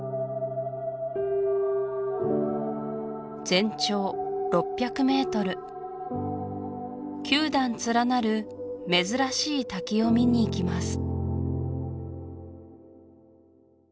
全長６００ｍ９段連なる珍しい滝を見に行きます